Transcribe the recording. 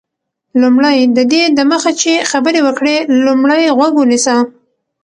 لومړی: ددې دمخه چي خبري وکړې، لومړی غوږ ونیسه.